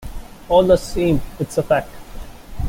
All the same it's a fact.